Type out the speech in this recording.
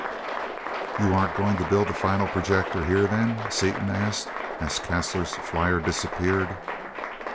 "You aren't going to build the final projector here, then?" Seaton asked as Caslor's flier disappeared.